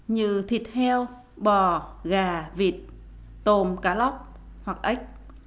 như thịt heo bò gà vịt tôm cá lóc hoặc ếch